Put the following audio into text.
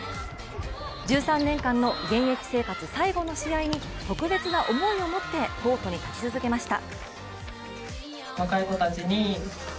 １３年間の現役生活最後の試合に特別な思いを持ってコートに立ち続けました。